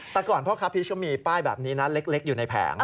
แต่ก่อนพ่อค้าพีชเขามีป้ายแบบนี้นะเล็กอยู่ในแผง